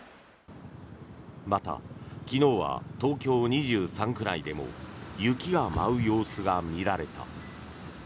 また、昨日は東京２３区内でも雪が舞う様子が見られた。